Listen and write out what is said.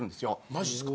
マジですか？